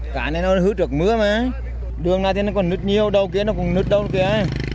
cả đây nó hứa trực mưa đó mà đường này thì nó còn nứt nhiều đâu kìa nó cũng nứt đâu kìa